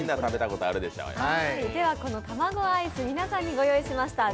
このたまごアイス皆さんにご用意しました。